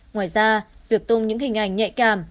ngoài ra việc tung những hình ảnh nhạy cảm